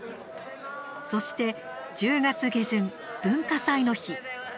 そして、１０月下旬、文化祭の日。